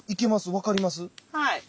はい。